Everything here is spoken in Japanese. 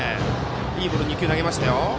いいボールを２球投げましたよ。